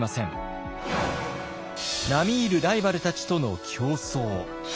並み居るライバルたちとの競争。